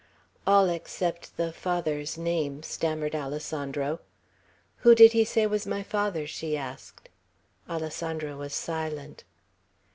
"All except the father's name," stammered Alessandro. "Who did he say was my father?" she asked. Alessandro was silent.